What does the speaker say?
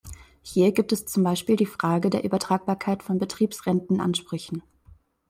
Hier gibt es zum Beispiel die Frage der Übertragbarkeit von Betriebsrentenansprüchen.